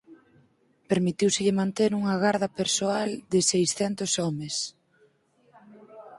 Permitíuselle manter unha garda persoal de seiscentos homes.